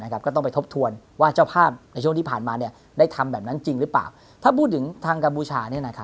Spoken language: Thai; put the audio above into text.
ก็ต้องไปทบทวนว่าเจ้าภาพในช่วงที่ผ่านมาได้ทำแบบนั้นจริงหรือเปล่า